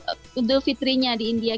itu fix untuk idul fitri nya di india